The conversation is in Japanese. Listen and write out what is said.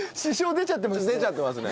出ちゃってますね。